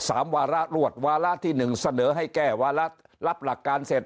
วาระรวดวาระที่หนึ่งเสนอให้แก้วาระรับหลักการเสร็จ